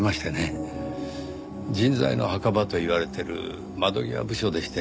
人材の墓場と言われてる窓際部署でして。